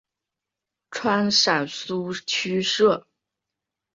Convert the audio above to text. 川陕苏区设。